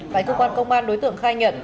phải cơ quan công an đối tượng khai nhận